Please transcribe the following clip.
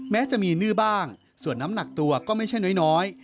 แม้จะมีนื้อบ้างส่วนน้ำหนักตัวก็ไม่ใช่น้อย